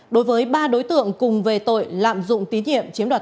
đối với ba đối tượng cùng về tội lạm dụng tín nhiệm chiếm đoạt